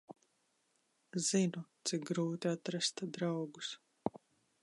Zinu, cik grūti atrast draugus.